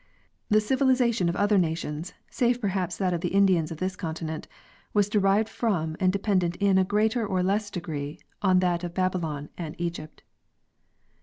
The civilization of other na tions, save perhaps that of the Indians of this continent, was derived from and dependent in a greater or less degree on that of Babylon and Egypt.